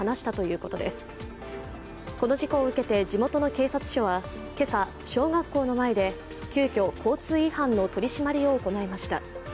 この事故を受けて地元の警察署は今朝、小学校の前で急きょ、交通違反の取り締まりを行いました。